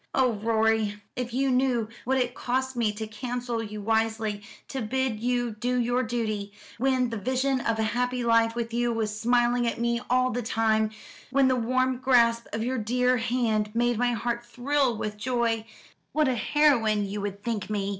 Oh Rorie, if you knew what it cost me to counsel you wisely, to bid you do your duty; when the vision of a happy life with you was smiling at me all the time, when the warm grasp of your dear hand made my heart thrill with joy, what a heroine you would think me!